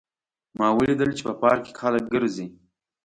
ما ولیدل چې په پارک کې خلک ګرځي